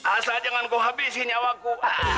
asal jangan kau habisi nyawaku